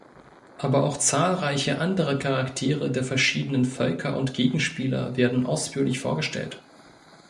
Aber auch zahlreiche andere Charaktere der verschiedenen Völker und Gegenspieler werden ausführlich vorgestellt.